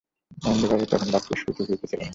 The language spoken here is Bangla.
মহেন্দ্রবাবুর তখন বাক্যস্ফূর্তি হইতেছিল না।